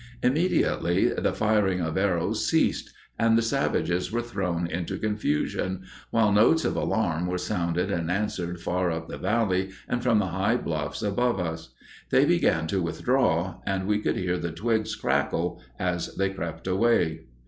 Immediately, the firing of arrows ceased and the savages were thrown into confusion, while notes of alarm were sounded and answered far up the Valley and from the high bluffs above us. They began to withdraw and we could hear the twigs crackle as they crept away.